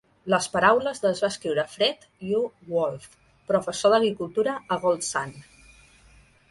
Les paraules les va escriure Fred U. Wolfe, professor d'agricultura a Gold Sand.